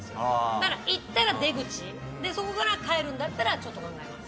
だから行ったら出口でそこから帰るんだったらちょっと考えます。